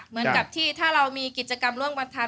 เหมือนกับที่ถ้าเรามีกิจกรรมร่วมบรรทัศ